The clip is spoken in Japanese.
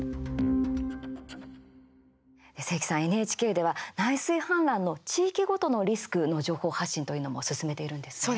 ＮＨＫでは内水氾濫の地域ごとのリスクの情報発信というのも進めているんですね。